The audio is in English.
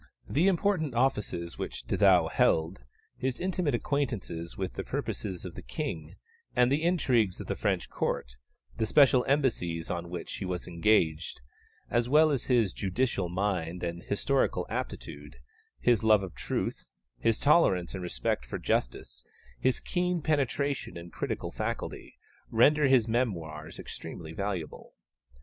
The important offices which De Thou held, his intimate acquaintance with the purposes of the King and the intrigues of the French Court, the special embassies on which he was engaged, as well as his judicial mind and historical aptitude, his love of truth, his tolerance and respect for justice, his keen penetration and critical faculty, render his memoirs extremely valuable.